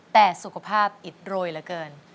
แต่สุขภาพอิดรอยละเกิน